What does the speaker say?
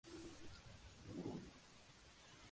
Sin embargo, Lu Xun no acabaría sus estudios de medicina.